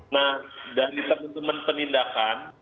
nah dari teman teman penindakan